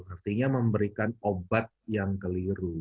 artinya memberikan obat yang keliru